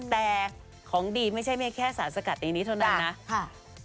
แต่ของดีไม่ใช่ไม่แค่สารสกัดอย่างนี้เท่านั้นนะค่ะ